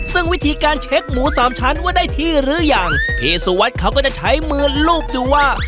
ซึ่งวิธีการเช็คหมูสามชั้นว่าได้ที่หรือยังพี่สุวัสดิ์เขาก็จะใช้มือลูบดูว่า